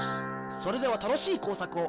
それでは楽しい工作を！